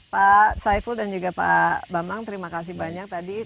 pak saiful dan juga pak bambang terima kasih banyak tadi